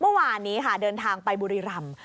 เมื่อวานนี้ค่ะเดินทางไปบุรีรำ